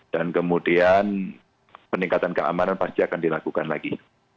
dan kemudian peningkatan keamanan pasti akan dilakukan lagi